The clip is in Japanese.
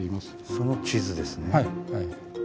その地図ですね。